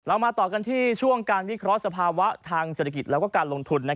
มาต่อกันที่ช่วงการวิเคราะห์สภาวะทางเศรษฐกิจและการลงทุน